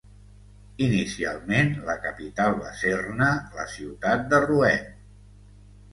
Inicialment, la capital va ser-ne la ciutat de Rouen.